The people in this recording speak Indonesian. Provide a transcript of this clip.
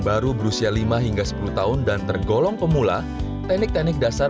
baru berusia lima hingga sepuluh tahun dan tergolong pemula teknik teknik dasar